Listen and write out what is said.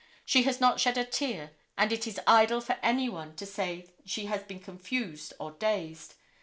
She has not shed a tear, and it is idle for any one to say she has been confused or dazed.